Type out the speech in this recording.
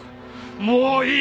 もういい。